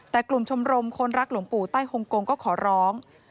แต่กลุ่มชมรมคนรักหลวงปู่ใต้ฮงกงก็ขอร้อง